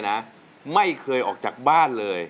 สวัสดีครับคุณหน่อย